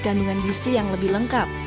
kandungan gisi yang lebih lengkap